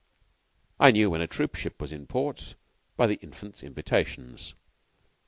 I knew when a troop ship was in port by the Infant's invitations.